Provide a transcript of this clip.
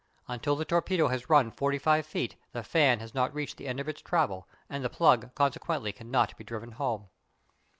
Until the torpedo has run forty five feet the fan has not reached the end of its travel, and the plug consequently cannot be driven home.